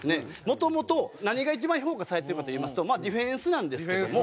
もともと何が一番評価されてるかといいますとディフェンスなんですけども。